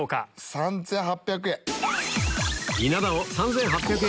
３８００円。